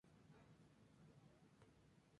No posee ningún estatus de protección.